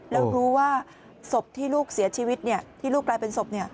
แล้วรู้ว่าศพที่ลูกเสียชีวิตที่ลูกกลายเป็นศพ